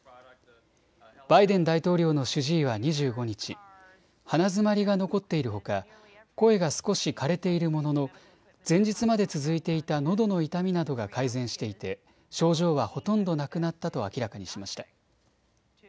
バイデン大統領の主治医は２５日、鼻詰まりが残っているほか声が少しかれているものの前日まで続いていたのどの痛みなどが改善していて症状はほとんどなくなったと明らかにしました。